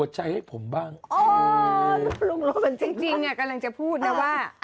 จริงเด็กกำลังจะพูดนะว่า